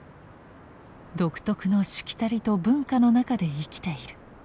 「独特のしきたりと文化の中で生きている」